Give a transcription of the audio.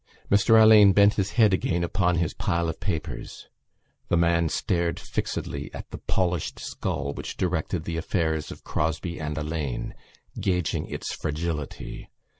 Mr Alleyne bent his head again upon his pile of papers. The man stared fixedly at the polished skull which directed the affairs of Crosbie & Alleyne, gauging its fragility.